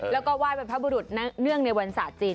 แล้วก็ไห้บรรพบุรุษเนื่องในวันศาสตร์จีน